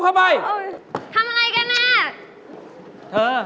ถามพี่ปีเตอร์